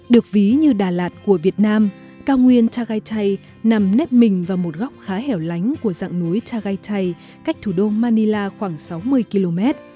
được ví như đà lạt của việt nam cao nguyên tagaytay nằm nếp mình vào một góc khá hẻo lánh của dạng núi tagaytay cách thủ đô manila khoảng sáu mươi km